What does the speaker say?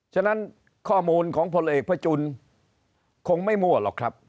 ฉะนั้นข้อมูลของพลเอกพระจุลคงไม่มั่วหรอกครับ